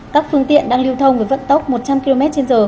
các phương tiện đang lưu thông với vận tốc một trăm linh km trên giờ